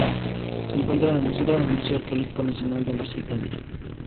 Se encuentra en el Museo Arqueológico Nacional de Nápoles, en Italia.